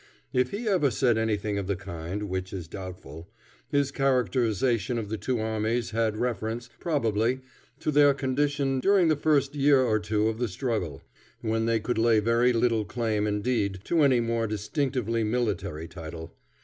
If he ever said anything of the kind, which is doubtful, his characterization of the two armies had reference, probably, to their condition during the first year or two of the struggle, when they could lay very little claim indeed to any more distinctively military title.